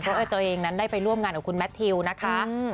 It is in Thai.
เพราะว่าตัวเองนั้นได้ไปร่วมงานกับคุณแมททิวนะคะ